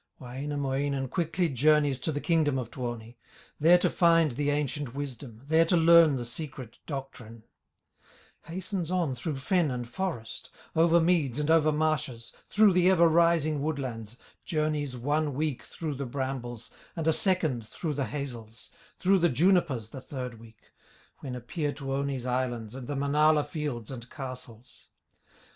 Wainamoinen quickly journeys To the kingdom of Tuoni, There to find the ancient wisdom, There to learn the secret doctrine; Hastens on through fen and forest, Over meads and over marshes, Through the ever rising woodlands, Journeys one week through the brambles, And a second through the hazels, Through the junipers the third week, When appear Tuoni's islands, And the Manala fields and castles.